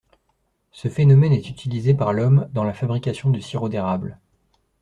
Ce phénomène est utilisé par l'homme dans la fabrication du sirop d'érable.